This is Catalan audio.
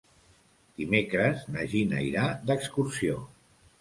Dimecres na Gina irà d'excursió.